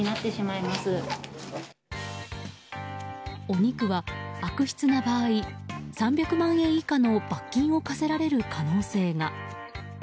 お肉は、悪質な場合３００万円以下の罰金が科せられる可能性が。